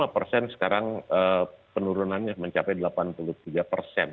lima persen sekarang penurunannya mencapai delapan puluh tiga persen